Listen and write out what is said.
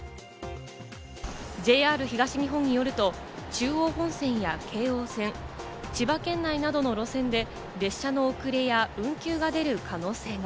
ＪＲ東日本によると中央本線や京王線、千葉県内などの路線で列車の遅れや運休が出る可能性が。